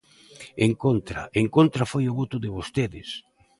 En contra, ¡en contra foi o voto de vostedes!